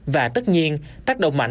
và tất nhiên tác động mạnh